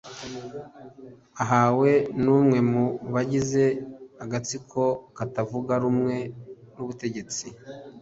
ahawe n’umwe mu bagize agatsiko katavuga rumwe n’ubutegetsi